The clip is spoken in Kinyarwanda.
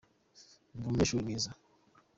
ndi umunyeshuri mwiza